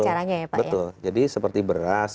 caranya ya pak ya betul jadi seperti beras